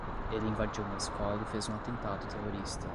Ele invadiu uma escola e fez um atentado terrorista